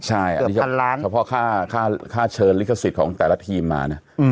เฉพาะค่าเชิญลิขสิทธิ์ของแต่ละทีมมา